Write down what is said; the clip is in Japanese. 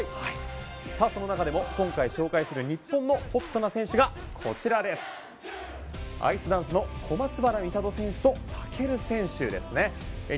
その中でも今回、紹介する日本のホットな選手がアイスダンスの小松原美里選手と尊選手ですね。